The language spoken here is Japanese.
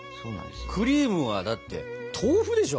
クリームはだって豆腐でしょ？